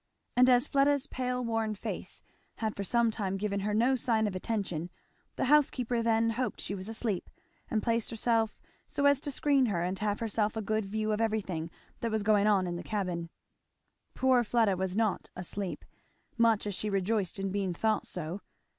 And as Fleda's pale worn face had for some time given her no sign of attention the housekeeper then hoped she was asleep, and placed herself so as to screen her and have herself a good view of everything that was going on in the cabin. But poor Fleda was not asleep, much as she rejoiced in being thought so.